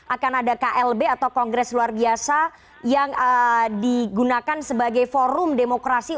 akan ada klb atau kongres luar biasa yang digunakan sebagai forum demokrasi